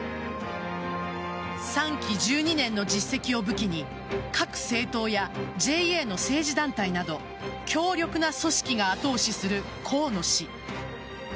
３期１２年の実績を武器に各政党やＪＡの政治団体など強力な組織が後押しする河野氏。